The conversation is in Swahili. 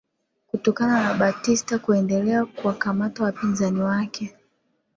Kutokana na Batista kuendelea kuwakamata wapinzani wake